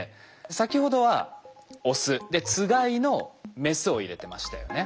先ほどはオス。でつがいのメスを入れてましたよね。